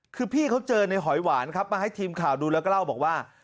คือพี่เขาเจอในหอยหวานครับมาให้ทีมข่าวดูแล้วก็เล่าบอกว่า